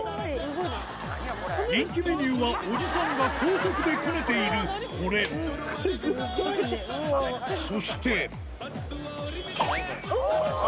人気メニューはおじさんが高速でこねているこれそしておぉ！